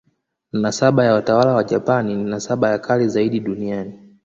Nasaba ya watawala wa Japani ni nasaba ya kale zaidi duniani.